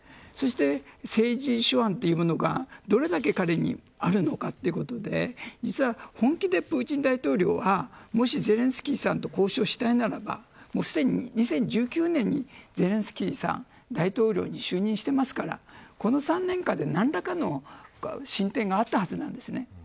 そして、政治手腕というものがどれだけ彼にあるのかということで実は、本気でプーチン大統領はもしゼレンスキーさんと交渉したいならばすでに２０１９年にゼレンスキーさんが大統領に就任してますからこの３年間で何らかの進展があったはずなんです。